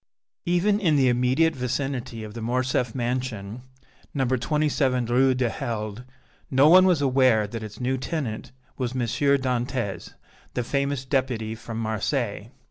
Even in the immediate vicinity of the Morcerf mansion, No. 27 Rue du Helder, no one was aware that its new tenant was M. Dantès, the famous Deputy from Marseilles.